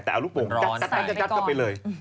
แต่เอารุกโป่งกัดก็ไปเลย